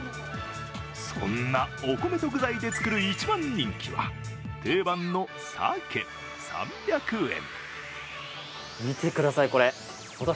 そんなお米と具材で作る一番人気は定番のさけ、３００円。